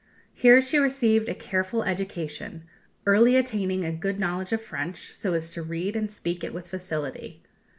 Here she received a careful education, early attaining a good knowledge of French, so as to read and speak it with facility.